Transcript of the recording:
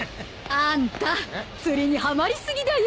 あんた釣りにはまり過ぎだよ。